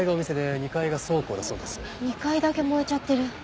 ２階だけ燃えちゃってる。